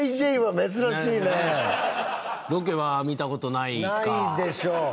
ロケは見たことないかないでしょう